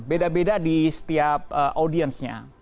beda beda di setiap audiensnya